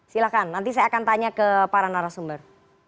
silahkan nanti saya akan tanya ke para narasumber